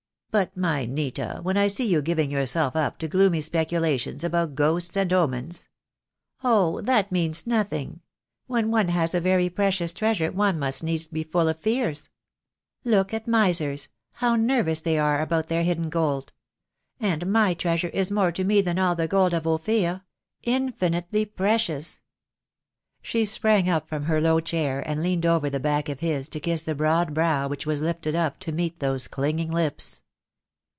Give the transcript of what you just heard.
"But, my Nita, when I see you giving yourself up to gloomy speculations about ghosts and omens." " Oh, that means nothing. When one has a very pre cious treasure one must needs be full of fears. Look at misers; how nervous they are about their hidden gold. And my treasure is more to me than all the gold of Ophir — infinitely precious." She sprang up from her low chair, and leaned over the back of his to kiss the broad brow which was lifted up to meet those clinging lips.